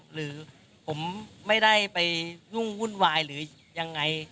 หรือผมไม่ได้ไปยุ่งวุ่นวายหรือยังไง